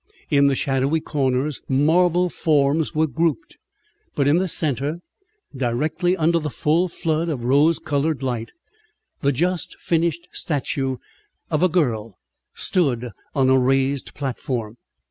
In the shadowy corners marble forms were grouped, but in the centre, directly under the full flood of rose coloured light, the just finished statue of a girl stood on a raised platform.